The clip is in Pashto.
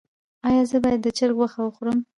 ایا زه باید د چرګ غوښه وخورم؟